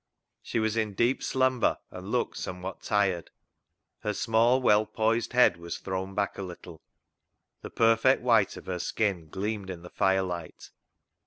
She was in deep slumber, and looked somewhat tired. Her small, well poised head was thrown back a little. The perfect white of her skin gleamed in the fire light.